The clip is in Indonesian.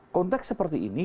konteks seperti ini